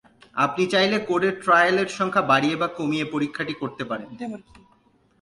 আপনি চাইলে কোডের ট্রায়েল এর সংখ্যা বাড়িয়ে বা কমিয়ে পরীক্ষাটি করতে পারেন।